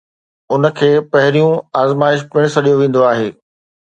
ان کي پھريون آزمائش پڻ سڏيو ويندو آھي